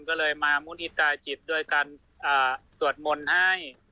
ก็เลยมามุฒิตาจิตด้วยการสวดมนต์ให้